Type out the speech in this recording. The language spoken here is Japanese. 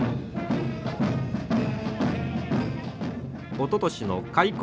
おととしの開港